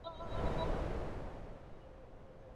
ولي هغه څوک مخکي ځي چي د بریا تږی وي؟